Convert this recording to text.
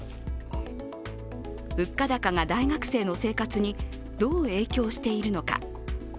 物価高が大学生の生活にどう影響しているのか。